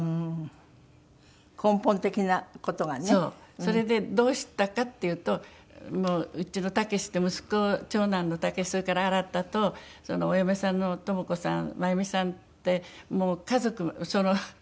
それでどうしたかっていうともううちの武って息子長男の武それから新とそのお嫁さんの知子さん真裕美さんってもう家族その２